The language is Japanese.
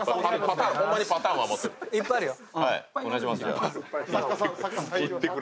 ホンマにパターンは持ってるよ。